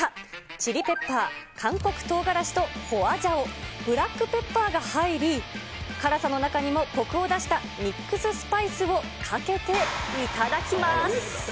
チリペッパー、韓国とうがらしとホアジャオ、ブラックペッパーが入り、辛さの中にもこくを出したミックススパイスをかけて頂きます。